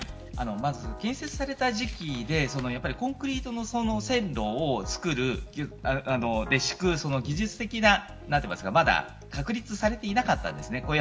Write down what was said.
建設された時期でコンクリートの線路を作る敷く、技術的なものがまだ確立されていなかったんです。